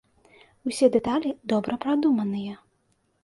Усе дэталі добра прадуманыя.